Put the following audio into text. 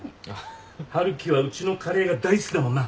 春樹はうちのカレーが大好きだもんな。